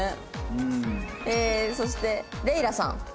そしてレイラさん。